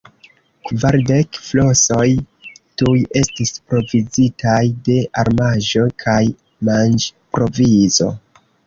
Kvardek flosoj tuj estis provizitaj de armaĵo kaj manĝprovizo.